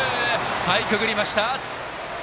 かいくぐりました！